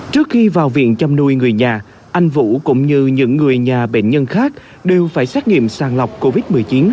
trước khi vào viện chăm nuôi người nhà anh vũ cũng như những người nhà bệnh nhân khác đều phải xét nghiệm sàng lọc covid một mươi chín